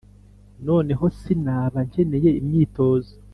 noneho sinaba nkeneye imyitozo.